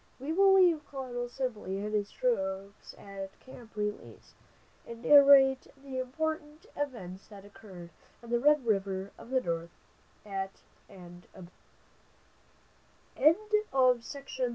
We will leave Colonel Sibley and his troops at Camp Release, and narrate the important events that occurred on the Red River of the North, at and about FORT ABERCROMBIE.